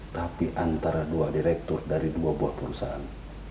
tapi antara dua direktur dari dua buah perusahaan